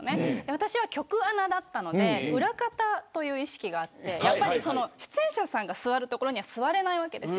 私は局アナだったので裏方という意識があって出演者さんが座る所には座れないわけです。